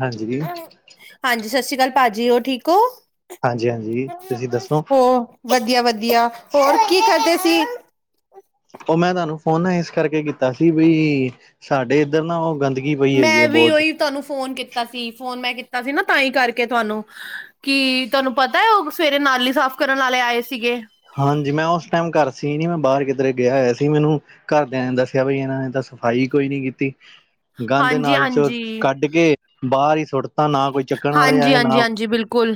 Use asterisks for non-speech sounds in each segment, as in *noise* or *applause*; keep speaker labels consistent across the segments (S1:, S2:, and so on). S1: ਹਾਂਜੀ,
S2: ਹਾਂਜੀ ਸਤਿ ਸ੍ਰੀ ਅਕਾਲ ਭਾਜੀ ਹੋਰ ਠੀਕ ਹੋ।
S1: ਹਾਂਜੀ-ਹਾਂਜੀ ਤੁਸੀਂ ਦੱਸੋ?
S2: ਹੋਰ ਵਧੀਆ ਵਧੀਆ ਹੋਰ ਕੀ ਕਰਦੇ ਸੀ।
S1: ਉਹ ਮੈਂ ਤੁਹਾਨੂੰ ਫੋਨ ਨਾ ਇਸ ਕਰਕੇ ਕੀਤਾ ਸੀ ਵੀ ਸਾਡੇ ਇੱਧਰ ਨਾ ਉਹ ਗੰਦਗੀ। ਪਈ ਹੋਈ
S2: ਮੈਂ
S1: ਹੈ
S2: ਵੀ
S1: ਬਹੁਤ
S2: ਉਹੀ ਤੁਹਾਨੂੰ ਫੋਨ ਕੀਤਾ ਸੀ। ਫੋਨ ਮੈਂ ਕੀਤਾ ਸੀ ਨਾ ਤਾਂ ਹੀ ਕਰਕੇ ਤੁਹਾਨੂੰ। ਕੀ ਤੁਹਾਨੂੰ ਪਤਾ। ਉਹ ਸਵੇਰੇ ਨਾਲੀ ਸਾਫ਼ ਕਰਨ ਵਾਲੇ ਆਏ ਸੀਗੇ।
S1: ਹਾਂਜੀ, ਮੈਂ ਉਸ ਟਾਈਮ ਘਰ ਸੀ ਨਹੀਂ ਮੈਂ ਬਾਹਰ ਕਿੱਧਰੇ ਗਿਆ ਹੋਇਆ ਸੀ ਮੈਨੂੰ। ਘਰਦਿਆਂ ਨੇ ਦੱਸਿਆ ਬਈ ਇਹਨਾਂ ਨੇ ਤਾਂ ਸਫ਼ਾਈ ਕੋਈ ਨੀ ਕੀਤੀ। ਗੰਦ
S2: ਹਾਂਜੀ
S1: ਨਾਲੀ ਚੋਂ
S2: ਹਾਂਜੀ,
S1: ਕੱਢ ਕੇ ਬਾਹਰ ਹੀ ਸੁੱਟ
S2: ਹਾਂਜੀ-ਹਾਂਜੀ, ਹਾਂਜੀ ਬਿਲਕੁਲ।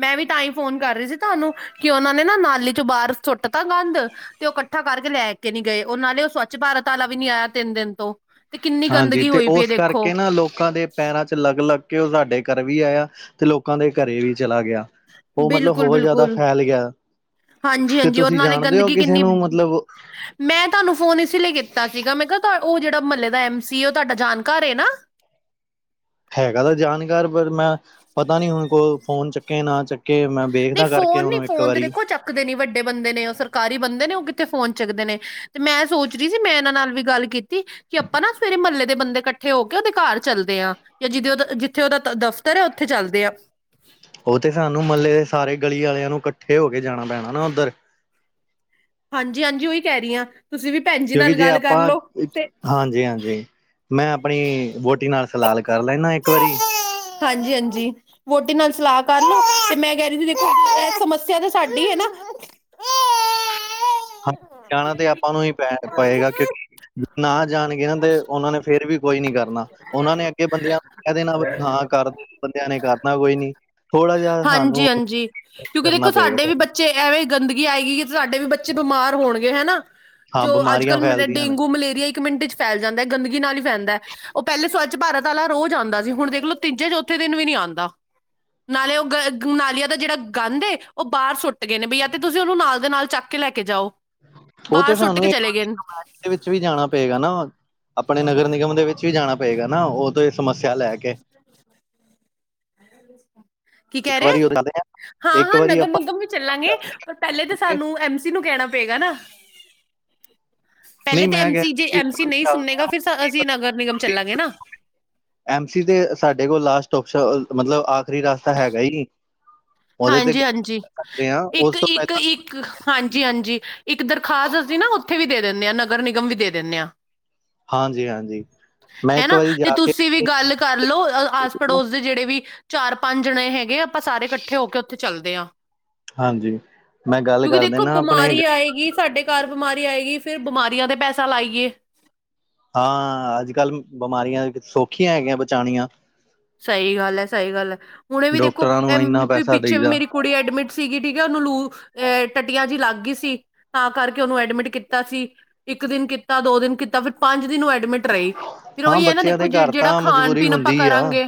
S2: ਮੈਂ ਵੀ ਤਾਂ ਹੀ ਫੋਨ ਕਰ ਰਹੀ ਸੀ। ਤੁਹਾਨੂੰ ਕਿ ਉਹਨਾਂ ਨੇ ਨਾ ਨਾਲੀ ਚੋਂ ਬਾਹਰ ਸੁੱਟ ਤਾ ਗੰਦ। ਤੇ ਉਹ ਇਕੱਠਾ ਕਰਕੇ ਲੈ ਕੇ ਨੀ ਗਏ ਨਾਲੇ ਉਹ ਸਵੱਛ ਭਾਰਤ ਵਾਲਾ ਵੀ ਨੀ ਆਇਆ ਤਿੰਨ ਦਿਨ ਤੋਂ। ਤੇ ਕਿੰਨੀ
S1: ਹਾਂਜੀ
S2: ਗੰਦਗੀ
S1: ਤੇ
S2: ਹੋਈ ਪਈ ਹੈ
S1: ਉਸ
S2: ਦੇਖੋ
S1: ਕਰਕੇ ਨਾ ਲੋਕਾਂ ਦੇ। ਪੈਰਾਂ 'ਚ ਲੱਗ ਲੱਗ ਕੇ ਉਹ ਸਾਡੇ ਘਰ ਵੀ ਆਇਆ ਤੇ ਲੋਕਾਂ ਦੇ ਘਰੇ ਵੀ ਚਲਾ ਗਿਆ। ਉਹ ਮਤਲਬ
S2: ਬਿਲਕੁਲ
S1: ਹੋਰ ਜ਼ਿਆਦਾ
S2: ਬਿਲਕੁਲ।
S1: ਫੈਲ ਗਿਆ।
S2: ਹਾਂਜੀ
S1: ਤੇ
S2: ਹਾਂਜੀ ਔਰ
S1: ਤੁਸੀਂ
S2: ਨਾਲੇ
S1: ਜਾਣਦੇ ਓ
S2: ਗੰਦਗੀ
S1: ਕਿਸੇ
S2: ਕਿੰਨੀ
S1: ਨੂੰ ਮਤਲਬ।
S2: ਮੈਂ ਤੁਹਾਨੂੰ ਫੋਨ ਇਸ ਲਈ ਕੀਤਾ ਸੀਗਾ। ਮੈਂ ਕਿਹਾ ਉਹ ਜਿਹੜਾ ਮਹੱਲੇ ਦਾ ਐਮ ਸੀ। ਉਹ ਤੁਹਾਡਾ ਜਾਣਕਾਰ ਐ ਨਾ।
S1: ਹੈਗਾ ਤਾਂ ਜਾਣਕਾਰ ਪਰ ਮੈਂ ਪਤਾ ਨੀ ਹੁਣ ਫੋਨ ਫੋਨ ਚੱਕੇ ਨਾ ਚੱਕੇ। ਮੈਂ
S2: ਨਹੀਂ
S1: ਵੇਖਦਾ ਕਰਕੇ
S2: ਫੋਨ ਨਹੀਂ
S1: ਉਹਨੂੰ ਇੱਕ
S2: ਫੋਨ ਤੇ
S1: ਵਾਰੀ।
S2: ਦੇਖੋ ਚੱਕਦੇ ਨਹੀਂ ਵੱਡੇ ਬੰਦੇ ਨੇ ਉਹ ਸਰਕਾਰੀ ਬੰਦੇ ਨੇ ਉਹ ਕਿੱਥੇ ਫੋਨ ਚੁੱਕਦੇ ਨੇ ਤੇ ਮੈਂ ਸੋਚ ਰਹੀ ਸੀ। ਮੈਂ ਇਹਨਾਂ ਨਾਲ ਵੀ ਗੱਲ ਕੀਤੀ। ਕੀਤੀ ਕਿ ਆਪਾਂ ਨਾ ਸਵੇਰੇ ਮਹੱਲੇ ਦੇ ਬੰਦੇ ਇੱਕ ਠੇ ਹੋ ਕੇ ਉਹਦੇ ਘਰ ਚੱਲਦੇ ਆ ਜਾਂ ਜਿਦ ਉਹ ਜਿੱਥੇ ਓਦਾ ਦਫ਼ਤਰ ਆ ਉੱਥੇ ਚੱਲਦੇ ਆ।
S1: ਉਹ ਤੇ ਸਾਨੂੰ ਮਹੱਲੇ ਦੇ ਸਾਰੇ ਗਲੀ ਵਾਲਿਆਂ ਨੂੰ ਇਕੱਠੇ ਹੋ ਕੇ ਜਾਣਾ ਪੈਣਾ ਨਾ ਉੱਧਰ।
S2: ਹਾਂਜੀ ਹਾਂਜੀ, ਉਹੀ ਕਹਿ ਰਹੀ ਹਾਂ ਤੁਸੀਂ ਵੀ। ਭੈਣ ਜੀ
S1: ਕਿਉਂਕਿ
S2: ਨਾਲ
S1: ਜੇ
S2: ਗੱਲ ਕਰ
S1: ਆਪਾਂ
S2: ਲਓ ਤੇ
S1: ਹਾਂਜੀ ਹਾਂਜੀ। ਮੈਂ ਆਪਣੀ ਵਹੁਟੀ ਨਾਲ ਸਲਾਹ ਕਰ ਲੈਣਾ ਇੱਕ ਵਾਰੀ।
S2: ਹਾਂਜੀ-ਹਾਂਜੀ, ਵਹੁਟੀ ਨਾਲ ਸਲਾਹ ਕਰ ਲੋ ਤੇ ਮੈਂ ਕਹਿ ਰਹੀ ਸੀ। ਸਮੱਸਿਆ ਤਾਂ ਸਾਡੀ ਐ ਨਾ।
S1: ਹਾਂ, ਜਾਣਾ ਤੇ ਆਪਾਂ ਨੂੰ ਹੀ ਪੈ ਪਏਗਾ ਕਿਉਂਕਿ। ਨਾ ਜਾਣਗੇ ਨਾ ਤੇ ਉਹਨਾਂ ਨੇ ਫੇਰ ਵੀ ਕੁਝ ਨੀ ਕਰਨਾ ਉਹਨਾਂ ਨੇ। ਕਿ ਬੰਦਿਆਂ ਨੂੰ ਕਹਿ ਦੇਣਾ ਬਈ ਹਾਂ ਕਰ ਬੰਦਿਆਂ ਨੇ ਕਰਨਾ ਕੋਈ ਨੀ। ਥੋੜਾ ਜਿਹਾ
S2: ਹਾਂਜੀ
S1: ਸਾਨੂੰ
S2: ਹਾਂਜੀ, ਕਿਉਂਕਿ ਦੇਖੋ
S1: ਕਰਨਾ ਪਏਗਾ
S2: ਸਾਡੇ ਵੀ ਬੱਚੇ ਐਵੇਂ ਗੰਦਗੀ ਆਏਗੀ, ਸਾਡੇ ਵੀ ਬੱਚੇ ਬਿਮਾਰ ਹੋਣਗੇ ਹਨਾ।
S1: ਹਾਂ
S2: ਜੋ ਅੱਜ
S1: ਬਿਮਾਰੀਆਂ
S2: ਕੱਲ੍ਹ ਮ
S1: ਫੈਲਦੀਆਂ ਨੇ
S2: ਡੇਂਗੂ ਮਲੇਰੀਆ ਇੱਕ ਮਿੰਟ ਵਿੱਚ ਫੈਲ ਜਾਂਦਾ ਗੰਦਗੀ ਨਾਲ ਹੀ ਫੈਲਦਾ। ਉਹ ਪਹਿਲੇ ਸਵੱਛ ਭਾਰਤ ਵਾਲਾ ਰੋਜ਼ ਆਂਦਾ ਸੀ ਹੁਣ ਦੇਖ ਲਓ ਤੀਜੇ ਚੌਥੇ ਦਿਨ ਵੀ ਨੀ ਆਂਦਾ ਨਾਲੇ ਓ। ਨਾਲੀਆਂ ਦਾ ਜਿਹੜਾ ਗੰਦ ਏ ਉਹ ਬਾਹਰ ਸੁੱਟ ਗਏ ਨੇ ਬਈ ਜਾ ਤੇ ਤੁਸੀਂ ਉਹਨੂੰ ਨਾਲ ਦੇ ਨਾਲ ਚੱਕ ਕੇ ਲੈ ਕੇ ਜਾਓ।
S1: ਉਹ
S2: ਬਾਹਰ
S1: ਤੇ
S2: ਸੁੱਟ
S1: ਸਾਨੂੰ,
S2: ਕੇ ਚਲੇ ਗਏ ਨੇ।
S1: ਵਿੱਚ ਵੀ ਜਾਣਾ ਪਏਗਾ ਨਾ। ਆਪਣੇ ਨਗਰ ਨਿਗਮ ਦੇ ਵਿੱਚ ਵੀ ਜਾਣਾ ਪਏਗਾ ਨਾ। ਉਹ ਤੋਂ ਇਹ ਸਮੱਸਿਆ ਲੈ ਕੇ-
S2: ਕੀ ਕਹਿ
S1: ਇੱਕ
S2: ਰਹੇ
S1: ਵਾਰੀ ਉਹ
S2: ਹਾਂ
S1: ਇੱਕ
S2: ਹਾਂ,
S1: ਵਾਰੀ
S2: ਨਗਮ
S1: ਆਪਾਂ
S2: ਨਗਮ ਵੀ ਚੱਲਾਂਗੇ
S1: ਚੱਲਦੇ ਆ।
S2: ਪਰ ਪਹਿਲੇ ਤਾਂ ਸਾਨੂੰ ਐਮ ਸੀ ਨੂੰ ਕਹਿਣਾ ਪਏਗਾ ਨਾ। ਪਹਿਲੇ
S1: ਨਹੀਂ
S2: ਤਾਂ
S1: ਮੈਂ
S2: ਐਮ ਸੀ ਜੇ
S1: ਕਹਿ
S2: ਐਮ ਸੀ ਨਹੀਂ ਸੁਣਨੇਗਾ ਫਿਰ ਅਸੀਂ ਨਗਰ ਨਿਗਮ ਚੱਲਾਂਗੇ ਨਾ।
S1: ਐਮ ਸੀ ਤੇ ਸਾਡੇ ਕੋਲ ਲਾਸਟ ਓਪਸ਼ਨ ਮਤਲਬ ਆਖਰੀ ਰਸਤਾ ਹੈਗਾ ਈ।
S2: ਹਾਂਜੀ ਹਾਂਜੀ,
S1: ਆ
S2: ਇੱਕ
S1: ਉਸ ਤੋਂ
S2: ਇੱਕ
S1: ਪਹਿਲਾਂ
S2: ਇੱਕ। ਇੱਕ ਹਾਂਜੀ ਹਾਂਜੀ, ਇੱਕ ਦਰਖਾਸਤ ਅਸੀਂ ਨਾ ਉੱਥੇ ਵੀ ਦੇ ਦੀਨੇ ਆ ਨਗਰ ਨਿਗਮ ਵੀ ਦੇ ਦੀ ਨੇ ਆ। *inaudible*
S1: ਹਾਂਜੀ ਹਾਂਜੀ, ਮੈਂ ਇੱਕ
S2: ਹਨਾ
S1: ਵਾਰੀ
S2: ਤੇ
S1: ਜਾ ਕੇ
S2: ਤੁਸੀਂ ਵੀ ਗੱਲ ਕਰ ਲਓ ਆਸ ਪੜੋਸ ਦੇ ਜਿਹੜੇ ਵੀ ਚਾਰ ਪੰਜ ਜਣੇ ਹੈਗੇ ਆਪਾਂ ਸਾਰੇ ਕੱਠੇ ਇਕੱਠੇ ਹੋ ਕੇ ਉੱਥੇ ਚੱਲਦੇ ਆ।
S1: ਹਾਂਜੀ ਮੈਂ ਗੱਲ
S2: ਕਿਉਂਕਿ
S1: ਕਰ
S2: ਦੇਖੋ
S1: ਦੇਣਾ ਆਪਣੇ
S2: ਬਿਮਾਰੀ
S1: ਗਲੀ-
S2: ਆਏਗੀ ਸਾਡੇ ਘਰ ਬਿਮਾਰੀ ਆਏਗੀ ਫਿਰ ਬਿਮਾਰੀਆਂ ਤੇ ਪੈਸਾ ਲਾਈਏ।
S1: ਹਾਂ। ਅੱਜ ਕੱਲ੍ਹ ਬਿਮਾਰੀਆਂ ਸੌਖੀਆਂ ਹੈਗੀਆਂ ਬਚਾਉਣੀਆਂ।
S2: ਸਹੀ ਗੱਲ ਹੈ, ਸਹੀ ਗੱਲ ਹੈ। ਹੁਣੇ ਵੀ ਦੇਖੋ
S1: ਡਾਕਟਰਾਂ ਨੂੰ ਇੰਨਾ
S2: ਵੀ
S1: ਪੈਸਾ
S2: ਪਿੱਛੇ ਵੀ
S1: ਦੇਈਦਾ
S2: ਮੇਰੀ ਕੁੜੀ ਐਡਮਿਟ ਸੀਗੀ। ਠੀਕ ਉਹਨੂੰ ਲੂ ਅ ਟੱਟੀਆਂ ਜਿਹੀ ਲੱਗ ਗਈ ਸੀ। ਤਾਂ ਕਰਕੇ ਉਹਨੂੰ ਐਡਮਿਟ ਕੀਤਾ ਸੀ। ਇੱਕ ਦਿਨ ਕੀਤਾ, ਦੋ ਦਿਨ ਕੀਤਾ, ਫਿਰ ਪੰਜ ਦਿਨ ਉਹ ਐਡਮਿਟ ਰਹੀ। ਫਿਰ
S1: ਹਾਂ
S2: ਉਹੀ ਹੈ ਨਾ।
S1: ਬੱਚਿਆਂ
S2: ਦੇਖੋ,
S1: ਦੇ
S2: ਜ
S1: ਘਰ
S2: ਜਿਹੜਾ
S1: ਤਾਂ
S2: ਖਾਣ
S1: ਮਜਬੂਰੀ
S2: ਪੀਣ ਆਪਾਂ
S1: ਹੁੰਦੀ ਆ
S2: ਕਰਾਂਗੇ।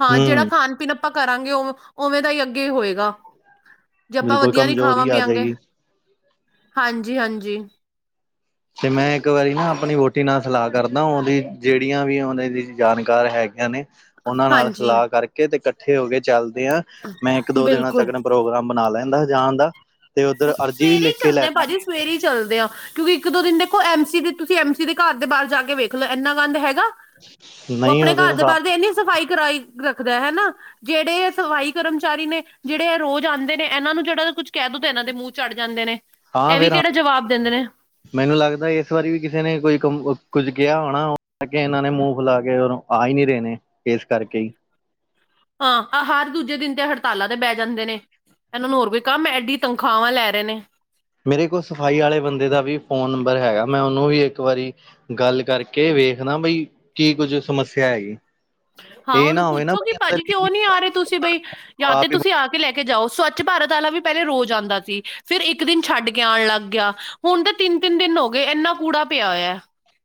S2: ਹਾਂ, ਜਿਹੜਾ
S1: ਹੂੰ
S2: ਖਾਣ -ਪੀਣ ਆਪਾਂ ਕਰਾਂਗੇ ਉ ਉਵੇਂ ਦਾ ਹੀ ਅੱਗੇ ਹੋਏਗਾ। ਜੇ ਆਪਾਂ
S1: ਬਿਲਕੁਲ
S2: ਵਧੀਆ ਨਹੀਂ ਖਾਵਾਂ
S1: ਕਮਜ਼ੋਰੀ ਆ
S2: -ਪੀਆਗੇ
S1: ਜਾਏਗੀ
S2: ਹਾਂਜੀ ਹਾਂਜੀ।
S1: ਤੇ ਮੈਂ ਇੱਕ ਵਾਰੀ ਨਾ ਆਪਣੀ ਵੋਟੀ ਨਾਲ ਸਲਾਹ ਕਰਦਾ ਉਹਦੀ ਜਿਹੜੀਆਂ ਵੀ ਉਹਨਾਂ ਦੀ ਜਾਣਕਾਰ ਹੈਗੀਆਂ ਨੇ ਉਹਨਾਂ ਨਾਲ
S2: ਹਾਂਜੀ
S1: ਸਲਾਹ ਕਰਕੇ ਤੇ ਇਕੱਠੇ ਹੋ ਕੇ ਚਲਦੇ ਆ। ਮੈਂ ਇੱਕ ਦੋ ਦਿਨਾਂ
S2: ਬਿਲਕੁਲ
S1: ਤੱਕ ਪ੍ਰੋਗਰਾਮ ਬਣਾ ਲੈਂਦਾ ਹੈ ਜਾਣ ਦਾ। ਤੇ ਉੱਧਰ ਅਰਜ਼ੀ ਵੀ
S2: ਸਵੇਰੇ ਹੀ
S1: ਲਿਖ ਕੇ
S2: ਚੱਲਦੇ
S1: ਲੈ
S2: ਆ, ਭਾਜੀ
S1: ਜਾਂਗੇ
S2: ਸਵੇਰੇ ਹੀ ਚੱਲਦੇ ਆ। ਕਿਉਂਕਿ ਇੱਕ -ਦੋ ਦਿਨ ਦੇਖੋ ਐਮ ਸੀ ਦੀ ਤੁਸੀਂ ਐਮ ਸੀ ਦੇ ਘਰ ਦੇ ਬਾਹਰ ਜਾ ਕੇ ਵੇਖ ਲਓ ਇੰਨਾ ਗੰਦ ਹੈਗਾ। ਉਹ
S1: ਨਹੀਂ
S2: ਆਪਣੇ
S1: ਉਹਦੇ
S2: ਘਰ ਦੇ
S1: ਤਾਂ
S2: ਬਾਹਰ ਦੇ ਇੰਨੀ ਸਫ਼ਾਈ ਕਰਾਈ ਰੱਖਦਾ ਹਨਾ। ਜਿਹੜੇ ਸਫਾਈ ਕਰ ਵਿਚਾਰੀ ਨੇ। ਜਿਹੜੇ ਇਹ ਰੋਜ਼ ਆਉਂਦੇ ਨੇ ਇਹਨਾਂ ਨੂੰ ਜਿਹੜਾ ਕੁਝ ਕਹਿ ਦੋ ਤਾਂ ਇਹਨਾਂ ਦੇ ਮੂੰਹ ਚੜ੍ਹ ਜਾਂਦੇ ਨੇ।
S1: ਹਾਂ,
S2: ਇਹ ਵੀ
S1: ਫੇਰ ਹ
S2: ਕਿਹੜਾ ਜਵਾਬ ਦਿੰਦੇ ਨੇ
S1: ਮੈਨੂੰ ਲੱਗਦਾ ਇਸ ਵਾਰੀ ਵੀ ਕਿਸੇ ਨੇ ਕੋਈ ਕੁੱਝ ਕਿਹਾ ਹੋਣਾ ਉਹ ਕੇ ਇਹਨਾਂ ਨੇ ਮੂੰਹ ਫੈਲਾ ਕੇਰ ਆ ਹੀ ਨਹੀਂ ਰਹੇ ਨੇ। ਇਸ ਕਰਕੇ ਹੀ
S2: ਹਾਂ, ਆ ਹਰ ਦੂਜੇ ਦਿਨ ਤੇ ਹੜਤਾਲਾਂ ਦੇ ਬਹਿ ਜਾਂਦੇ ਨੇ। ਇਹਨਾਂ ਨੂੰ ਹੋਰ ਕੋਈ ਕੰਮ ਐਡੀ ਤਨਖਾਹਾਂ ਲੈ ਰਹੇ ਨੇ।
S1: ਮੇਰੇ ਕੋਲ ਸਫ਼ਾਈ ਵਾਲੇ ਬੰਦੇ ਦਾ ਵੀ ਫੋਨ ਨੰਬਰ ਹੈਗਾ। ਮੈਂ ਉਹਨੂੰ ਵੀ ਇੱਕ ਵਾਰੀ ਗੱਲ ਕਰਕੇ ਵੇਖਦਾ ਬਈ ਕੀ ਕੁੱਝ ਸਮੱਸਿਆ ਹੈਗੀ।
S2: ਹਾਂ,
S1: ਇਹ
S2: ਉਹਨੂੰ
S1: ਨਾ ਹੋਵੇ ਨਾ
S2: ਪੁੱਛੋਗੀ
S1: ਬਈ
S2: ਭਾਜੀ
S1: ਅੰਦਰ
S2: ਕਿਉਂ ਨਹੀਂ ਆ ਰਹੇ ਤੁਸੀਂ ਬਈ, ਜਾਂ ਤੇ
S1: ਆਪ ਹੀ
S2: ਤੁਸੀਂ ਆ ਲੈ ਕੇ ਜਾਓ। ਸਵੱਛ ਭਾਰਤ ਵਾਲਾ ਵੀ ਪਹਿਲੇ ਰੋਜ਼ ਆਉਂਦਾ ਸੀ। ਫਿਰ ਇੱਕ ਦਿਨ ਛੱਡ ਕੇ ਆਉਣ ਲੱਗ ਪੈਆ। ਹੁਣ ਤਾਂ ਤਿੰਨ- ਤਿੰਨ ਦਿਨ ਹੋ ਗਏ ਇੰਨਾ ਕੂੜਾ ਪਿਆ ਹੋਇਆ।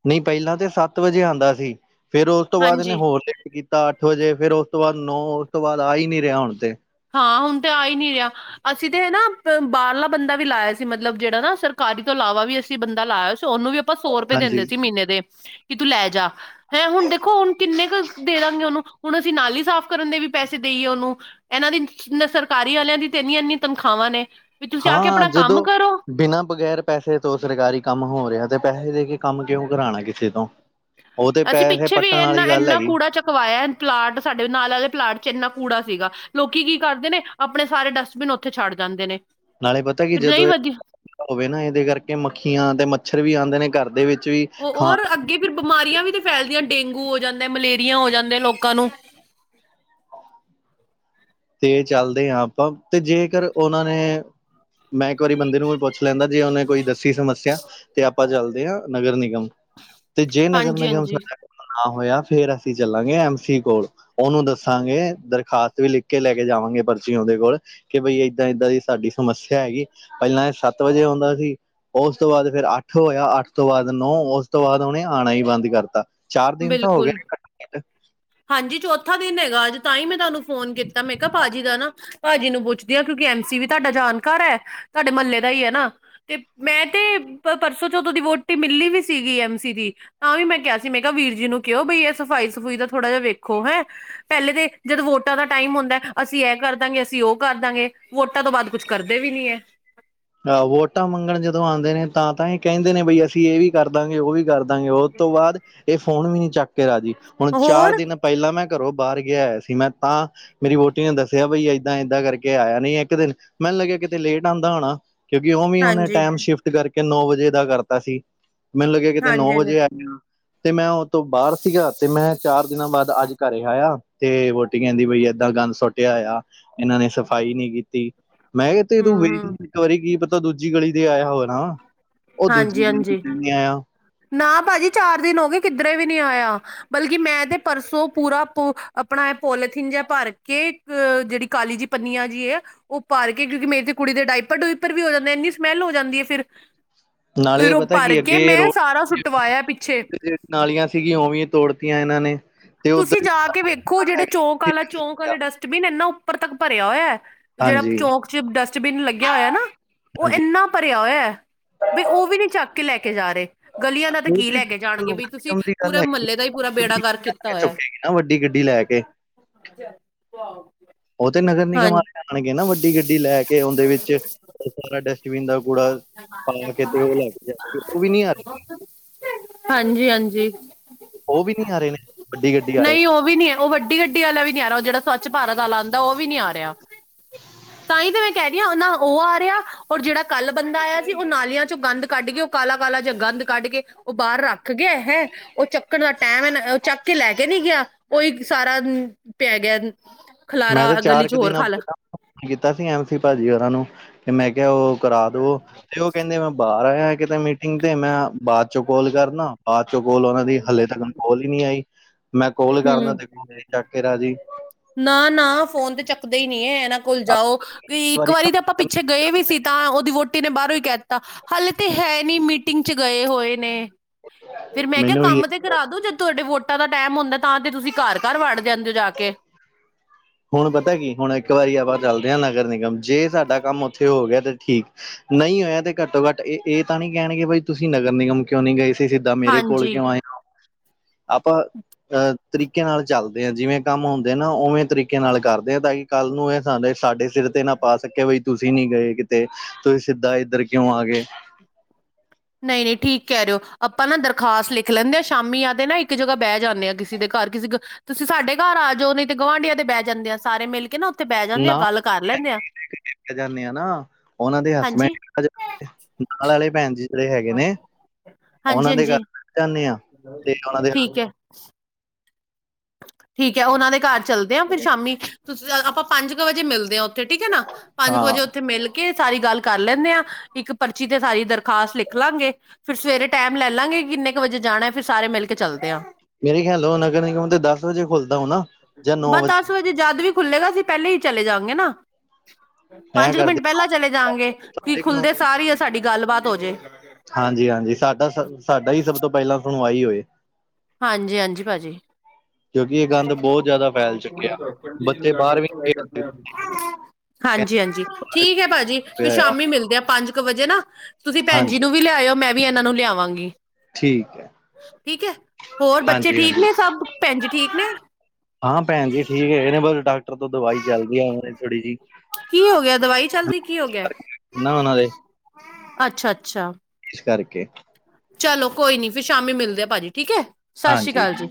S1: ਨਹੀਂ, ਪਹਿਲਾਂ ਤੇ ਸੱਤ ਵਜੇ ਆਉਂਦਾ ਸੀ। ਫੇਰ ਉਸ ਤੋਂ ਬਾਅਦ ਇਹਨੇ
S2: ਹਾਂਜੀ
S1: ਹੋਰ ਕੀਤਾ ਅੱਠ ਵਜੇ ਫੇਰ ਉਸ ਤੋਂ ਬਾਅਦ ਨੌ ਉਸ ਤੋਂ ਬਾਅਦ ਆ ਹੀ ਨੀ ਰਿਹਾ ਹੁਣ ਤੇ।
S2: ਹਾਂ, ਹੁਣ ਤੇ ਆ ਹੀ ਨਹੀਂ ਰਿਹਾ। ਅਸੀਂ ਤੇ ਹਨ ਨਾ ਬਾਹਰਲਾ ਬੰਦਾ ਵੀ ਲਾਆ ਸੀ ਮਤਲਬ ਜਿਹੜਾ ਨਾ ਸਰਕਾਰੀ ਤੋਂ ਇਲਾਵਾ ਵੀ ਅਸੀਂ ਬੰਦਾ ਲਾਇਆ ਸੀ। ਉਹਨੂੰ ਵੀ ਆਪਾਂ ਸੌ ਰੁਪਏ ਦਿੰਦੇ
S1: ਹਾਂਜੀ
S2: ਸੀ ਮਹੀਨੇ ਦੇ। ਕਿ ਤੂੰ ਲੈ ਜਾ ਹੈਂ ਹੁਣ ਦੇਖੋ ਹੁਣ ਕਿੰਨੇ ਕੁ ਦੇ ਦਾਂਗੇ। ਉਹਨੂੰ ਹੁਣ ਅਸੀਂ ਨਾਲ ਹੀ ਸਾਫ਼ ਕਰਨ ਦੇ ਵੀ ਪੈਸੇ ਦੇਈਏ ਉਹਨੂੰ। ਇਹਨਾਂ ਦੀ ਸਰਕਾਰੀ ਵਾਲਿਆਂ ਦੀ ਤੇ ਇਨੀਆਂ- ਇਨੀਆਂ ਤਨਖਾਹਾਂ ਨੇ। ਵੀ ਤੁਸੀਂ ਆ ਕੇ
S1: ਹਾਂ।
S2: ਆਪਣਾ ਕੰਮ
S1: ਜਦੋਂ
S2: ਕਰੋ
S1: ਬਿਨਾਂ ਬਗੈਰ ਪੈਸੇ ਤੋਂ ਸਰਕਾਰੀ ਕੰਮ ਹੋ ਰਿਹਾ ਤੇ ਪੈਸੇ ਦੇ ਕੇ ਕੰਮ ਕਿਉਂ ਕਰਾਉਣਾ ਕਿਸੇ ਤੋਂ। ਉਹ ਤੇ
S2: ਅਸੀਂ
S1: ਪੈਸੇ
S2: ਪਿੱਛੇ ਵੀ
S1: ਪੱਟਣ
S2: ਇਨਾ
S1: ਵਾਲੀ ਗੱਲ
S2: ਇੰਨਾ
S1: ਹੈਗੀ
S2: ਕੂੜਾ ਚਕਵਾਇਆ ਪਲਾਟ ਸਾਡੇ ਨਾਲ ਵਾਲੇ ਪਲਾਟ ਚ ਇੰਨਾ ਕੂੜਾ ਸੀਗਾ। ਲੋਕੀ ਕੀ ਕਰਦੇ ਨੇ ਆਪਣੇ ਸਾਰੇ ਡਸਟਬਿਨ ਉੱਥੇ ਛੱਡ ਜਾਂਦੇ ਨੇ।
S1: ਨਾਲੇ ਪਤਾ ਕੀ
S2: ਫਿਰ
S1: ਜਦੋਂ
S2: ਨਹੀਂ
S1: ਏ
S2: ਵਧੀ
S1: ਹੋਵੇ ਨਾ ਇਹਦੇ ਕਰਕੇ ਮੱਖੀਆਂ ਤੇ ਮੱਛਰ ਵੀ ਆਂਦੇ ਨੇ ਘਰ ਦੇ ਵਿੱਚ ਵੀ
S2: ਔ
S1: ਖਾਣ
S2: ਔਰ ਅੱਗੇ ਫਿਰ ਬਿਮਾਰੀਆਂ ਵੀ ਤੇ ਫੈਲਦੀਆਂ ਡੇਂਗੂ ਹੋ ਜਾਂਦਾ ਮਲੇਰੀਆਂ ਹੋ ਜਾਂਦੇ ਲੋਕਾਂ ਨੂੰ।
S1: ਤੇ ਚੱਲਦੇ ਹਾਂ ਆਪਾਂ, ਤੇ ਜੇਕਰ ਉਹਨਾਂ ਨੇ ਮੈਂ ਇੱਕ ਵਾਰੀ ਬੰਦੇ ਨੂੰ ਕੋਈ ਪੁੱਛ ਲੈਂਦਾ ਜੇ ਉਹਨੇ ਕੋਈ ਦੱਸੀ ਸਮੱਸਿਆ। ਤੇ ਆਪਾਂ ਚੱਲਦੇ ਹਾਂ ਨਗਰ ਨਿਗਮ ਤੇ। ਜੇ ਨਗਰ
S2: ਹਾਂਜੀ
S1: ਨਿਗਮ
S2: ਹਾਂਜੀ
S1: ਸਾਡ ਨਾ ਹੋਇਆ ਫੇਰ ਅਸੀਂ ਚੱਲਾਂਗੇ ਐਮ ਸੀ ਕੋਲ ਉਹਨੂੰ ਦੱਸਾਂਗੇ। ਦਰਖਾਸਤ ਵੀ ਲਿਖ ਕੇ ਲੈ ਕੇ ਜਾਵਾਂਗੇ ਪਰਚੀ ਉਹਦੇ ਕੋਲ ਕਿ ਬਈ ਏਦਾਂ- ਏਦਾਂ ਦੀ ਸਾਡੀ ਸਮੱਸਿਆ ਹੈਗੀ। ਪਹਿਲਾਂ ਇਹ ਸੱਤ ਵਜੇ ਆਉਂਦਾ ਸੀ। ਉਸ ਤੋਂ ਬਾਅਦ ਫਿਰ ਅੱਠ ਹੋਇਆ। ਅੱਠ ਤੋਂ ਬਾਅਦ ਨੌ। ਉਸ ਤੋਂ ਬਾਅਦ ਉਹਨੇ ਆਉਣਾ ਹੀ ਬੰਦ ਕਰਤਾ। ਚਾਰ ਦਿਨ ਤਾਂ ਹੋ ਗਏ
S2: ਬਿਲਕੁਲ, ਹਾਂਜੀ। ਚੌਥਾ ਦਿਨ ਹੈਗਾ ਅੱਜ ਤਾਂ ਹੀ ਮੈਂ ਤੁਹਾਨੂੰ ਫੋਨ ਕੀਤਾ ਮੈਂ ਕਿਹਾ ਭਾਜੀ ਦਾ ਨਾ, ਭਾਜੀ ਨੂੰ ਪੁੱਛ ਕਿਉਂਕਿ ਐਮ ਸੀ ਵੀ ਤੁਹਾਡਾ ਜਾਣਕਾਰ ਹੈ। ਤੁਹਾਡੇ ਮਹੱਲੇ ਦਾ ਹੀ ਹੈ ਨਾ। ਤੇ ਮੈਂ ਤੇ, ਪਰਸੋਂ ਚ' ਉਦੋਂ ਦੀ ਵੋਟੀ ਮਿਲੀ ਵੀ ਸੀਗੀ ਐਮ ਸੀ ਦੀ। ਤਾਂ ਵੀ ਮੈਂ ਕਿਹਾ ਸੀ ਮੈਂ ਤਾਂ ਵੀਰ ਜੀ ਨੂੰ ਕਿਹੋ ਬਈ ਇਹ ਸਫ਼ਾਈ ਸਫ਼ੂਈ ਦਾ ਥੋੜ੍ਹਾ ਜਿਹਾ ਵੇਖੋ ਹੈਂ ਪਹਿਲੇ ਦੇ ਜਦੋਂ ਵੋਟਾਂ ਦਾ ਟਾਈਮ ਹੁੰਦਾ ਅਸੀਂ ਇਹ ਕਰ ਦਾਂਗੇ ਅਸੀਂ ਉਹ ਕਰ ਦਾਂਗੇ ਵੋਟਾਂ ਤੋਂ ਬਾਅਦ ਕੁਛ ਕਰਦੇ ਵੀ ਨੀ ਐ।
S1: ਵੋਟਾਂ ਮੰਗਣ ਜਦੋਂ ਆਉਂਦੇ ਨੇ ਤਾਂ ਤਾਂ ਇਹ ਕਹਿੰਦੇ ਨੇ ਬਈ ਅਸੀਂ ਇਹ ਵੀ ਕਰ ਦਾਂਗੇ ਉਹ ਵੀ ਕਰ *unintelligible* ਉਹ ਤੋਂ ਬਾਅਦ ਇਹ ਫੋਨ ਵੀ ਨੀ ਚੱਕ ਕੇ ਰਾਜੀ ਹੁਣ ਚਾਰ
S2: ਹੋਰ
S1: ਦਿਨ ਪਹਿਲਾਂ ਮੈਂ ਘਰੋਂ ਬਾਹਰ ਗਿਆ ਹੋਇਆ ਸੀ ਮੈਂ ਤਾਂ ਮੇਰੀ ਵੋਟੀ ਨੇ ਦੱਸਿਆ ਬਈ ਏਦਾਂ ਏਦਾਂ ਕਰਕੇ ਆਇਆ ਨਹੀਂ ਇੱਕ ਦਿਨ ਮੈਨੂੰ ਲੱਗਿਆ ਕਿਤੇ ਲੇਟ ਆਂਦਾ ਹੋਣਾ। ਕਿਉਂਕਿ ਓਮੇ ਉਹਨੇ
S2: ਹਾਂਜੀ
S1: ਟਾਈਮ ਸ਼ਿਫਟ ਕਰਕੇ ਨੌ ਵਜੇ ਦਾ ਕਰਤਾ ਸੀ ਮੈਨੂੰ ਲੱਗਿਆ ਕਿਤੇ
S2: ਹਾਂਜੀ
S1: ਨੌ
S2: ਹਾਂਜੀ
S1: ਵਜੇ ਆਏਗਾ। ਤੇ ਮੈਂ ਉਹ ਤੋਂ ਬਾਹਰ ਸੀਗਾ ਤੇ ਮੈਂ ਚਾਰ ਦਿਨਾਂ ਬਾਅਦ ਅੱਜ ਘਰੇ ਆਇਆ ਤੇ ਵੋਟੀ ਕਹਿੰਦੀ ਬਈ ਏਦਾਂ ਗੰਦ ਸੁੱਟਿਆ ਹੋਇਆ। ਇਹਨਾਂ ਨੇ ਸਫ਼ਾਈ ਨੀ ਕੀਤੀ ਮੈਂ ਕਿਹਾ ਤੂੰ
S2: ਹਮ
S1: ਵੇਟ
S2: ਹਮ
S1: ਇੱਕ ਵਾਰੀ ਕੀ ਪਤਾ ਦੂਜੀ ਗਲੀ ਤੇ ਆਇਆ ਹੋਰ ਉਹ ਦੂਜੀ
S2: ਹਾਂਜੀ
S1: ਗਲੀ ਚ
S2: ਹਾਂਜੀ
S1: ਵੀ ਨੀ ਆਇਆ।
S2: ਨਾ ਭਾਜੀ ਚਾਰ ਦਿਨ ਹੋ ਗਏ ਕਿੱਧਰੇ ਵੀ ਨਹੀਂ ਆਇਆ। ਬਲਕਿ ਮੈਂ ਤੇ ਪਰਸੋਂ ਪੂਰਾ ਪ ਆਪਣਾ ਪੋਲੀਥੀਨ ਜਿਹਾ ਭਰ ਕੇ ਜਿਹੜੀ ਕਾਲੀ ਜਿਹੀ ਪੰਨੀਆਂ ਜੀ ਐ। ਉਹ ਭਰ ਕੇ ਕਿਉਂਕਿ ਮੇਰੀ ਤੇ ਕੁੜੀ ਦੇ ਡਾਈਪਰ ਡੁਪਰ ਵੀ ਹੋ ਜਾਂਦੇ ਇੰਨੀ ਸਮੈਲ ਹੋ ਜਾਂਦੀ ਐ ਫਿਰ।
S1: ਨਾਲੇ
S2: ਫਿਰ ਉਹ
S1: ਪਤਾ
S2: ਭਰ
S1: ਕੀ
S2: ਕੇ
S1: ਅੱਗੇ
S2: ਮੈਂ ਸਾਰਾ
S1: ਰੋਡ
S2: ਸੁੱਟਵਾਇਆ ਪਿੱਛੇ
S1: ਨਾਲੀਆਂ ਸੀ ਗਈਆਂ ਉਵੇ ਤੋੜ ਤੀਆਂ ਇਹਨਾਂ ਨੇ ਤੇ
S2: ਤੁਸੀਂ
S1: ਉੱਧਰ ਵੀ
S2: ਜਾ ਕੇ ਵੇਖੋ ਜਿਹੜੇ ਚੌਕ ਵਾਲਾ ਚੌਂਕ ਵਾਲੇ ਡਸਟਬਿਨ ਇਨਾ ਉੱਪਰ ਤੱਕ ਭਰਿਆ ਹੋਇਆ। ਜਿਹੜਾ
S1: ਹਾਂਜੀ
S2: ਚੌਂਕ ਚ ਡਸਟਬਿਨ ਲੱਗਿਆ ਹੋਇਆ ਨਾ ਉਹ
S1: ਹਾਂਜੀ
S2: ਇੰਨਾ ਭਰਿਆ ਹੋਇਆ। ਬਈ ਉਹ ਵੀ ਨਹੀਂ ਚੱਕ ਕੇ ਲੈ ਕੇ ਜਾ ਰਹੇ। ਗਲੀਆਂ ਦਾ ਤਾਂ
S1: ਉਹ
S2: ਕੀ
S1: ਤੇ
S2: ਲੈ ਕੇ
S1: ਨਗਰ
S2: ਜਾਣਗੇ ਬਈ ਤੁਸੀਂ
S1: ਨਿਗਮ ਦੀ ਗੱਲ
S2: ਪੂਰੇ
S1: ਹੈਗੀ
S2: ਮਹੱਲੇ ਦਾ ਹੀ ਪੂਰਾ ਬੇੜਾਗਰ ਕੀਤਾ
S1: ਕੇ
S2: ਹੋਇਆ।
S1: ਚੁੱਕੇਗੀ ਨਾ ਵੱਡੀ ਗੱਡੀ ਲੈ ਕੇ
S2: *inaudible*
S1: ਉਹ ਤੇ ਨਗਰ
S2: ਹਾਂ
S1: ਨਿਗਮ ਆ ਜਾਣਗੇ ਨਾ ਵੱਡੀ ਗੱਡੀ ਲੈ ਕੇ ਉਹਦੇ ਵਿੱਚ *inaudible* ਡਸ਼ਟਵੀਨ ਦਾ ਕੂੜਾ ਪਾ ਕੇ ਤੇ ਉਹ ਲੈ ਕੇ ਜਾਵੇ ਉਹ ਵੀ ਨੀ ਆ ਰਹੀ।
S2: ਹਾਂਜੀ-ਹਾਂਜੀ,
S1: ਉਹ ਵੀ ਨਹੀਂ ਆ ਰਹੇ ਨੇ ਵੱਡੀ ਗੱਡੀ ਆਲੇ।
S2: ਨਹੀਂ ਉਹ ਵੀ ਨੀ ਐ ਉਹ ਵੱ ਗੱਡੀ ਵਾਲਾ ਵੀ ਨਹੀਂ ਆ ਉਹ ਜਿਹੜਾ ਸਵੱਛ ਭਾਰਤ ਵਾਲਾ ਆਂਦਾ ਉਹ ਵੀ ਨਹੀਂ ਆ ਰਿਹਾ। ਤਾਂਹੀ ਤੇ ਮੈਂ ਕਹਿ ਰਹੀ ਆਂ, ਨਾ ਉਹ ਆ ਰਿਹਾ, ਔਰ ਜਿਹੜਾ ਕੱਲ ਬੰਦਾ ਆਇਆ ਸੀ, ਉਹ ਨਾਲੀਆਂ'ਚੋਂ ਗੰਦ ਕੱਢਕੇ ਉਹ ਕਾਲਾ-ਕਾਲਾ ਜਾਂ ਗੰਦ ਕੱਢਕੇ ਉਹ ਬਾਹਰ ਰੱਖ ਗਿਆ ਹੈ। ਉਹ ਚੱਕਣ ਦਾ ਟਾਈਮ ਹੈ ਨਾ, ਉਹ ਚੱਕ ਕੇ ਲੈਕੇ ਨਹੀ ਗਿਆ, ਉਹੀ ਸਾਰਾ ਪੈਗਿਆ
S1: ਮੈਂ
S2: ਖਲਾਰਾ,
S1: ਤਾਂ ਚਾਰ
S2: ਗਲੀ'ਚ
S1: ਕੁ
S2: ਹੋਰ
S1: ਦਿਨਾਂ
S2: ਖਾਲਾ
S1: ਪਹਿਲਾਂ ਕੀਤਾ ਸੀ ਐਮਸੀ ਭਾਜੀ ਹੋਰਾ ਨੂੰ, ਕਿ ਮੈਂ ਕਿਹਾ ਉਹ ਕਰਾਦੋ ਤੇ ਉਹ ਕਹਿੰਦੇ ਮੈਂ ਬਾਹਰ ਆਇਆ ਕਿਤੇ ਮੀਟਿੰਗ ਤੇ ਮੈਂ ਬਾਅਦ ਚੋਂ ਕੋਲ ਕਰਨਾ। ਬਾਅਦ ਚੋਂ ਕੋਲ ਉਹਨਾਂ ਦੀ ਹਲੇੇ ਤੱਕ ਕੋਲ ਹੀ ਨੀ ਆਈ। ਮੈਂ ਕੋਲ ਕਰਨਾ ਤੇ ਕੋਲ ਨੀ ਚੱਕ ਕੇ ਰਾਜੀ।
S2: ਨਾ-ਨਾ ਫੋਨ ਤੇ ਚੱਕਦੇ ਹੀ ਨਹੀਂ ਹੈ। ਇਹਨਾਂ ਕੋਲ ਜਾਓ ਇੱਕ ਵਾਰੀ ਤਾਂ ਆਪਾਂ ਛੇ ਗਏ ਵੀ ਸੀ ਤਾਂ ਉਹਦੀ ਵੋਟੀ ਨੇ ਬਾਹਰੋਂ ਹੀ ਕਹਤਾ ਹਲੇ ਤਾਂ ਹੈ ਨਹੀਂ ਮੀਟਿੰਗ ਚ ਗਏ ਹੋਏ ਨੇ। ਫੇਰ ਮੈਂ ਕਿਹਾ
S1: ਮੈਨੂੰ ਵੀ
S2: ਕੰਮ ਤੇ ਕਰਾ ਦੋ ਜਦ ਤੁਹਾਡੇ ਵੋਟਾਂ ਦਾ ਟਾਈਮ ਹੁੰਦਾ ਤਾਂ ਤੇ ਤੁਸੀਂ ਘਰ-ਘਰ ਵੜ ਜਾਂਦੇ ਹੋ ਜਾ ਕੇ।
S1: ਹੁਣ ਪਤਾ ਕੀ ਹੁਣ ਇੱਕ ਵਾਰੀ ਆਪਾਂ ਚੱਲਦੇ ਹਾਂ ਨਗਰ ਨਿਗਮ ਜੇ ਜੇ ਸਾਡਾ ਕੰਮ ਉੱਥੇ ਹੋ ਗਿਆ ਤੇ ਠੀਕ ਨਹੀਂ ਹੋਇਆ ਤੇ ਘੱਟੋ ਘੱਟ ਇਹ ਇਹ ਤਾਂ ਨਹੀਂ ਕਹਿਣਗੇ ਬਈ ਤੁਸੀਂ ਨਗਰ ਨਿਗਮ ਕਿਉਂ ਨੀ ਗਏ ਸੀ ਸਿੱਧਾਂ ਮੇਰੇ ਕੋਲ
S2: ਹਾਂਜੀ
S1: ਕਿਉਂ ਆਏ ਆਪਾਂ ਅਹ ਤਰੀਕੇ ਨਾਲ ਚੱਲਦੇ ਆ ਜਿਵੇਂ। ਕੰਮ ਹੁੰਦੇ ਨਾ, ਉਵੇ ਤਰੀਕੇ ਨਾਲ ਕਰਦੇ ਆ ਤਾਂ ਕਿ ਕੱਲ੍ਹ ਨੂੰ ਇਹ ਸਾਡੇ ਸਿਰ ਤੇ ਨਾ ਪਾ ਸਕੇ ਬਈ ਤੁਸੀ ਨੀ ਗਏ। ਤੇ ਤੁਸੀ ਸਿੱਧਾ ਇੱਧਰ ਕਿਉ ਆ ਗਏ।
S2: ਨਹੀਂ-ਨਹੀਂ ਠੀਕ ਕਹਿ ਰਹੇਓ। ਆਪਾਂ ਨਾ ਦਰਖਾਸਤ ਲਿਖ ਲੈਂਦੇ ਹਾਂ। ਸ਼ਾਮੀ ਆਕੇ ਨਾ ਇੱਕ ਜਗ੍ਹਾ ਬਹਿ ਜਾਂਦੇ ਹਾਂ ਕਿਸੇ ਦੇ ਘਰ ਕਿਸੇ ਤੁਸੀਂ ਸਾਡੇ ਘਰ ਆ ਜਾਓ ਨਹੀਂ ਤੇ ਗੁਆਂਢੀਆਂ ਦੇ ਬਹਿ ਜਾਂਦੇ ਆ ਸਾਰੇ ਮਿਲ ਕੇ ਨਾ। ਤੇ ਬਹਿ ਜਾਂਨੇ ਆ,
S1: ਨਾ
S2: ਗੱਲ ਕਰ ਲੈਂਨੇ ਆਂ।
S1: ਜਾਂਦੇ ਆ ਨਾ, ਉਹਨਾਂ ਦੇ
S2: ਹਾਂਜੀ
S1: ਹਸਬੈਂਡ ਨਾਲ ਆਲੇ ਭੈਣ ਜੀ ਜਿਹੜੇ ਹੈਗੇ ਨੇ,
S2: ਹਾਂਜੀ
S1: ਉਹਨਾਂ ਦੇ ਘਰ
S2: ਹਾਂਜੀ
S1: ਚੱਲ ਜਾਂਨੇ ਆ, ਤੇ ਓਹਨਾਂ ਦੇ
S2: ਠੀਕ ਹੈ ਠੀਕ ਹੈ ਉਹਨਾਂ ਦੇ ਘਰ ਚੱਲਦੇ ਆਂ, ਫਿਰ
S1: ਹੱਥ
S2: ਸ਼ਾਮੀ ਤੁਸੀਂ ਆਪਾਂ ਪੰਜ ਕੁ ਵਜੇ ਮਿਲਦੇ ਹਾਂ। ਥੇ ਠੀਕ ਹੈ ਨਾ। ਪੰਜ ਕੁ ਵਜੇ
S1: ਹਾਂ
S2: ਉੱਥੇ ਮਿਲ ਕੇ ਕਿ ਸਾਰੀ ਗੱਲ ਕਰ ਲੈਂਦੇ ਆ। ਇੱਕ ਪਰਚੀ ਤੇ ਸਾਰੀ ਦਰਖਾਸਤ ਲਿਖ ਲਾਂਗੇ। ਫਿਰ ਸਵੇਰੇ ਟਾਈਮ ਲੈ ਲਾਂਗੇ ਕਿੰਨੇ ਕੁ ਵਜੇ ਜਾਣਾ ਫਿਰ ਸਾਰੇ ਮਿਲ ਕੇ ਚੱਲਦੇ ਆ।
S1: ਮੇਰੇ ਖਿਆਲ ਓਹ ਨਗਰ ਨਿਗਮ ਦਸ ਵਜੇ ਖੁਲਦਾ ਹੋਣਾ। ਜਾਂ ਨੌ
S2: ਬਸ ਦਸ ਵਜੇ ਜਦ ਵੀ ਖੁੱਲੇਗਾ ਅਸੀਂ ਪਹਿਲੇ ਹੀ ਚਲੇ ਜਾਂਗੇ ਨਾ।
S1: ਐਂ
S2: ਪੰਜ ਕੁ
S1: ਕਰਦੇ
S2: ਮਿੰਟ ਪਹਿਲਾਂ ਚਲੇ ਜਾਗੇ ਕੀ ਖੁੱਲਦੇ ਸਾਰੀ ਆ ਸਾਡੀ ਗੱਲਬਾਤ ਹੋਜੇ।
S1: ਹਾਂਜੀ-ਹਾਂਜੀ ਸਾਡਾ, ਸ ਸਾਡਾ ਹੀ ਸਭ ਤੋਂ ਪਹਿਲਾਂ ਸੁਣਵਾਈ ਹੋਏ।
S2: ਹਾਂਜੀ-ਹਾਂਜੀ ਭਾਜੀ।
S1: ਕਿਉਂਕਿ ਇਹ
S2: *inaudible*
S1: ਗੰਦ ਬਹੁਤ ਜ਼ਿਆਦਾ ਫੈਲ ਚੁੱਕਿਆ। ਬੱਚੇ ਬਾਹਰ ਵੀ ਨੀ ਖੇਡ ਸਕਦੇ
S2: ਹਾਂਜੀ-ਹਾਂਜੀ
S1: ਬਾਹਰ
S2: ਠੀਕ ਐ ਭਾਜੀ ਫਿਰ ਸ਼ਾਮੀ ਮਿਲਦੇ ਆ ਪੰਜ ਕੁ ਵਜੇ ਨਾ ਤੁਸੀਂ ਭੈਣ ਜੀ
S1: ਹਾਂਜੀ
S2: ਨੂੰ ਵੀ ਲਿਆਇਓ, ਮੈਂ ਵੀ ਇਹਨਾਂ ਨੂੰ ਲਿਆਵਾਂਗੀ,
S1: ਠੀਕ ਹੈ
S2: ਠੀਕ ਹੈ। ਹੋਰ ਬੱਚੇ
S1: ਹਾਂਜੀ
S2: ਠੀਕ
S1: ਹਾਂਜੀ
S2: ਨੇ ਸਭ ਭੈਣ ਜੀ ਠੀਕ ਨੇ?
S1: ਹਾਂ ਭੈਣ ਜੀ ਠੀਕ ਹੈਗੇ ਨੇ ਬਸ ਡਾਕਟਰ ਤੋਂ ਦਵਾਈ ਚੱਲਦੀ ਆ ਥੋੜ੍ਹੀ ਜਹੀ
S2: ਕੀ ਹੋ ਗਿਆ ਦਵਾਈ ਚਲਦੀ ਕੀ ਹੋ ਗਿਆ?
S1: ਨਾ ਉਹਨਾਂ ਦੇ
S2: ਅੱਛਾ-ਅੱਛਾ।
S1: ਇਸ ਕਰਕੇ
S2: ਚਲੋ ਕੋਈ ਨੀ ਫਿਰ ਸ਼ਾਮੀ ਮਿਲਦੇ ਆ ਭਾਜੀ ਠੀਕ ਹੈ, ਸਤਿ ਸ਼੍ਰੀ
S1: ਹਾਂਜੀ
S2: ਅਕਾਲ ਜੀ।